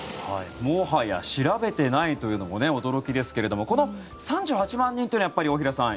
もはや調べてないというのも驚きですがこの３８万人というのはやっぱり大平さん